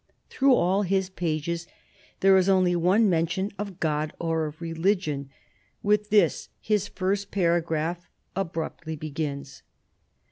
Through all his pages there is only one mention of God or of religion ; with this his first paragraph abruptly begins.